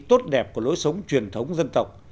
tốt đẹp của lối sống truyền thống dân tộc